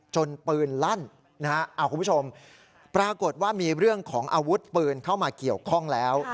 ปืนลั่นคุณผู้ชมปรากฏว่ามีเรื่องของอาวุธปืนเข้ามาเกี่ยวข้องแล้ว